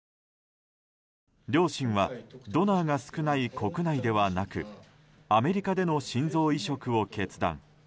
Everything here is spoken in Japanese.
両親はドナーが少ない国内ではなくアメリカでの心臓移植を決断。